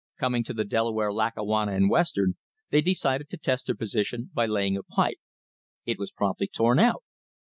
Coming to the Delaware, Lackawanna and Western, they decided to test their position by laying a pipe. It was promptly torn out.